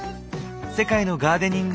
世界のガーデニング